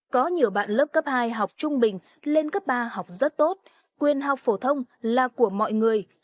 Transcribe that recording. có nhiều bạn lớp cấp hai học trung bình lên cấp ba học rất tốt quyền học phổ thông là của mọi người